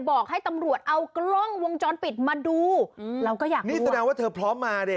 บอกให้ตำรวจเอากล้องวงจรปิดมาดูเราก็อยากดู